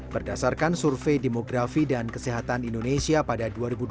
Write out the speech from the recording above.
berdasarkan survei demografi dan kesehatan indonesia pada dua ribu dua puluh